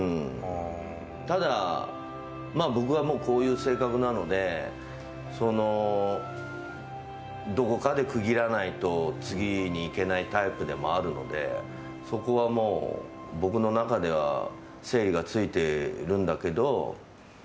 ただ、僕はもうこういう性格なのでどこかで区切らないと次にいけないタイプでもあるのでそこは僕の中では整理がついてるんだけど。